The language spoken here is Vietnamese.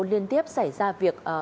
liên tiếp xảy ra việc